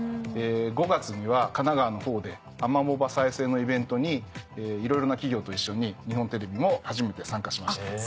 ５月には神奈川の方でアマモ場再生のイベントにいろいろな企業と一緒に日本テレビも初めて参加しました。